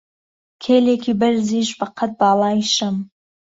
کیلێکی بەرزیش بە قەت باڵای شەم